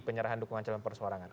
penyerahan dukungan calon persoarangan